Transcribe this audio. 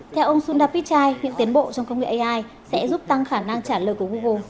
theo ông sundar pichai hiện tiến bộ trong công nghệ ai sẽ giúp tăng khả năng trả lời của google